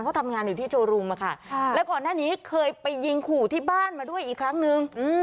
เขาทำงานอยู่ที่โจรุมมาค่ะแล้วก่อนหน้านี้เคยไปยิงขู่ที่บ้านมาด้วยอีกครั้งนึง